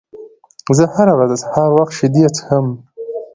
زه هره ورځ د سهار وخت شیدې څښم.